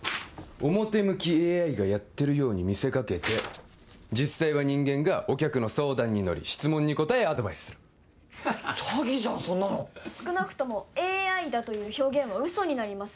表向きＡＩがやってるように見せかけて実際は人間がお客の相談に乗り質問に答えアドバイスする詐欺じゃんそんなの少なくともＡＩだという表現は嘘になります